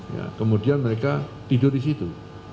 ya kemudian mereka tidur disitu